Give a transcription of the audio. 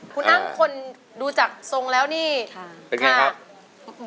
คุณอ้างคนดูจากทรงแล้วนี่ค่ะเป็นอย่างไรครับ